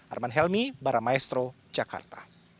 arman helmi baramaestro jakarta